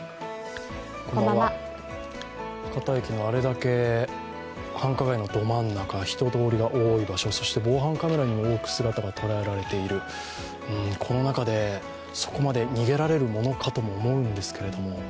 博多駅のあれだけ繁華街のど真ん中、人通りが多い場所、そして防犯カメラにも多く姿が捉えられているこの中でそこまで逃げられるものかと思うんですが。